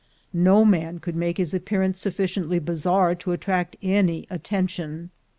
No man could make his appear ance sufficiently bizarre to attract any attention.